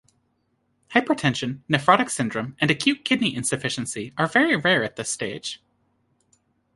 Hypertension, nephrotic syndrome, and acute kidney insufficiency are very rare at this stage.